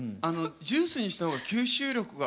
ジュースにした方が吸収力が。